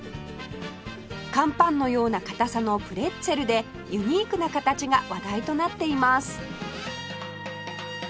乾パンのような硬さのプレッツェルでユニークな形が話題となっています